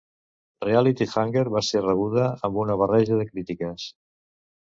"Reality Hunger" va ser rebuda amb una barreja de crítiques.